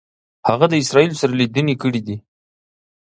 هغه د اسرائیلو سره لیدنې کړي دي.